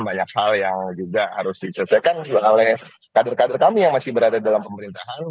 banyak hal yang juga harus diselesaikan oleh kader kader kami yang masih berada dalam pemerintahan